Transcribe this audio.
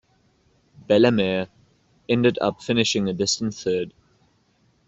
Bellemare ended up finishing a distant third.